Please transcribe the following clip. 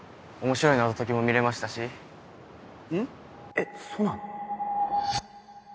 えっそうなの？